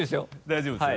大丈夫です？